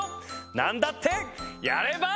なんだってやれば。